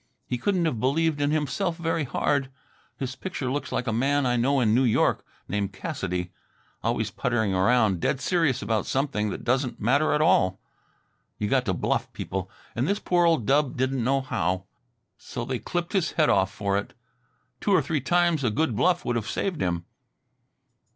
He couldn't have believed in himself very hard. His picture looks like a man I know in New York named Cassidy .. always puttering around, dead serious about something that doesn't matter at all. You got to bluff people, and this poor old dub didn't know how ... so they clipped his head off for it. Two or three times a good bluff would have saved him."